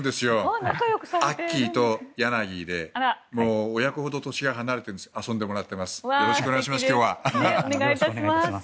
アッキーとヤナギーで親子ほど年が離れてますが遊んでもらってます。